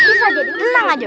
bisa jadi tenang aja